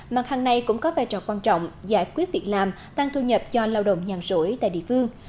mặt hàng này cũng có vai trò quan trọng giải quyết việc làm tăng thu nhập cho lao động nhàn rỗi tại địa phương